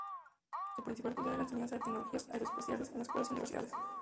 Su principal función es la enseñanza de tecnologías aeroespaciales en escuelas y universidades.